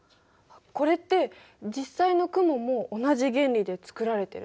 これって実際の雲も同じ原理でつくられてるの？